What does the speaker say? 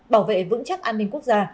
bảo vệ vững chắc an ninh quốc gia